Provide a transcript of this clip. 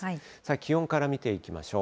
気温から見ていきましょう。